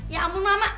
ya ampun mama